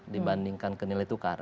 dibandingkan ke nilai tukar